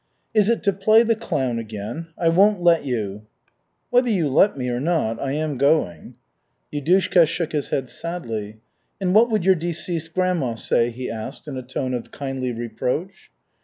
"Is it to play the clown again? I won't let you." "Whether you let me or not, I am going." Yudushka shook his head sadly. "And what would your deceased grandma say?" he asked in a tone of kindly reproach.